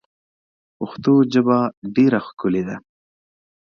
پښتو ژبه ډیر ښکلی ده.